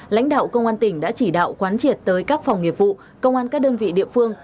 lãnh đạo công an tỉnh đã chỉ đạo quán triệt tới các phòng nghiệp vụ công an các đơn vị địa phương